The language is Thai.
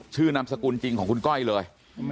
ชื่อนำสกุลจริงของคุณก้อยเลย